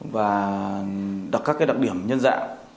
và đặt các đặc điểm nhân dạng